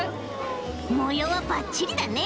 もようはばっちりだね